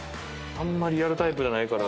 あんまりやるタイプじゃないから。